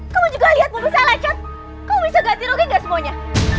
kamu juga lihat mobil saya lancet kamu bisa ganti rugi nggak semuanya